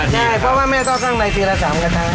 ใช่เพราะว่าแม่ต้องข้างในปีละ๓กระทะ